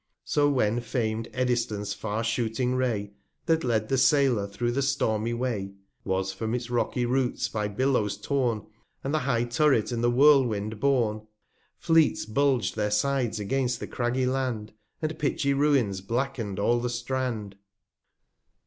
So when fam'd Eddystones far shooting Ray, 345 That led the Sailor through the stormy Way, Was from its rocky Roots by Billows torn, And the high Turret in the Whirlewind born, Fleets bulg'd their Sides against the craggy Land, And pitchy Ruines blacken'd all the Strand.